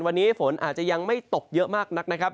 วันนี้ฝนอาจจะยังไม่ตกเยอะมากนักนะครับ